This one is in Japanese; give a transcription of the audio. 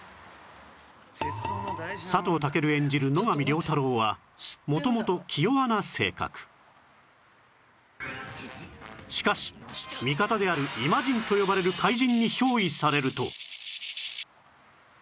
佐藤健演じる野上良太郎はしかし味方である「イマジン」と呼ばれる怪人に憑依されると